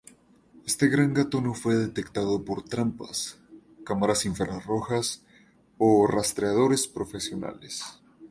Este gran gato no fue detectado por trampas, cámaras infrarrojas o rastreadores profesionales.